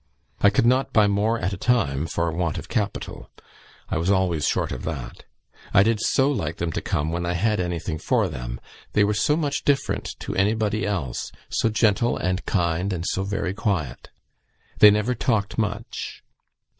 I could not buy more at a time for want of capital. I was always short of that. I did so like them to come when I had anything for them; they were so much different to anybody else; so gentle and kind, and so very quiet. They never talked much.